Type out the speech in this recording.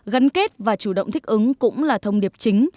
gắn kết và chủ động thích ứng cũng là thông điệp chính